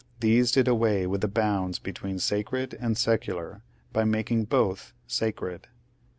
These did away with the bounds between sacred and secular by making both sacred.